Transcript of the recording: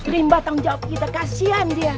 limbah tanggung jawab kita kasihan dia